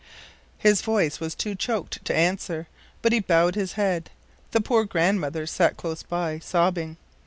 " His voice was too choked to answer, but he bowed his head. The poor grandmother sat close by, sobbing.